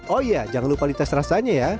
oh iya jangan lupa lintas rasanya ya